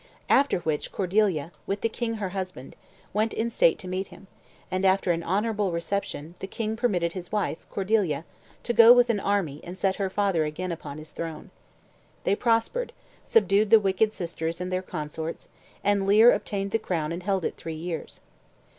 After which Cordeilla, with the king her husband, went in state to meet him, and, after an honorable reception, the king permitted his wife, Cordeilla, to go with an army and set her father again upon his throne. They prospered, subdued the wicked sisters and their consorts, and Leir obtained the crown and held it three years.